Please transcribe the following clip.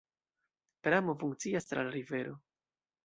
Pramo funkcias tra la rivero.